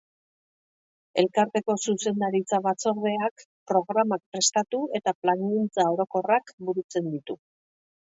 Elkarteko zuzendaritza-batzordeak programak prestatu eta plangintza orokorrak burutzen ditu.